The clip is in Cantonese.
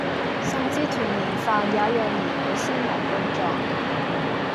甚至團年飯也讓兒女先忙工作